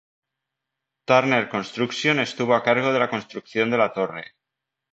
Turner Construction estuvo a cargo de la construcción de la torre.